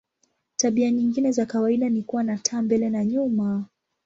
Tabia nyingine za kawaida ni kuwa na taa mbele na nyuma.